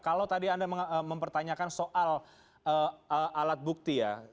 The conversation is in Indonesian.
kalau tadi anda mempertanyakan soal alat bukti ya